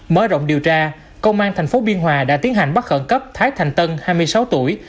mới rộng điều tra công an tp biên hòa đã tiến hành bắt khẩn cấp thái thành tân hai mươi sáu tuổi